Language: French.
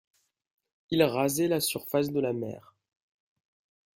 Il rasait la surface de la mer